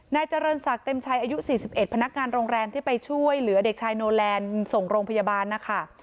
นายเจริญศักดิ์เต็มชัยอายุ๔๑พนักงานโรงแรมที่ไปช่วยเหลือเด็กชายโนแลนด์ส่งโรงพยาบาลนะคะ